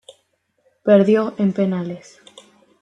Perdió en penales.